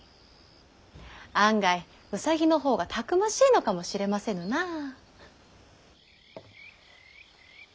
案外兎の方がたくましいのかもしれませぬなあ。